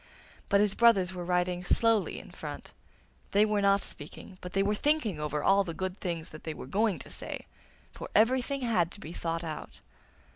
But his brothers were riding slowly in front. They were not speaking, but they were thinking over all the good things they were going to say, for everything had to be thought out.